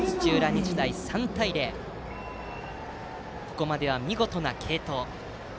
日大が３対０とここまでは見事な継投。